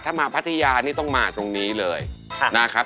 ถ้ามาพัทยานี่ต้องมาตรงนี้เลยนะครับ